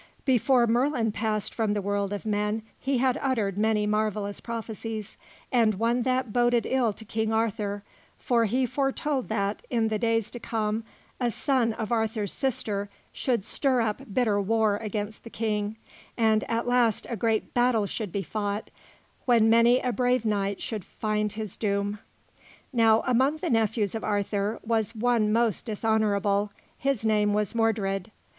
Before Merlin passed from the world of men, he had uttered many marvellous prophesies, and one that boded ill to King Arthur; for he foretold that, in the days to come, a son of Arthur's sister should stir up bitter war against the King, and at last a great battle should be fought, when many a brave knight should find his doom. Now, among the nephews of Arthur, was one most dishonourable; his name was Mordred.